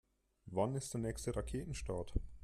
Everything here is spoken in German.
Wann ist der nächste Raketenstart?